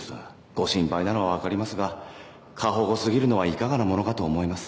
ご心配なのはわかりますが過保護すぎるのはいかがなものかと思います